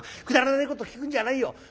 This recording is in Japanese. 『くだらないこと聞くんじゃないよ』。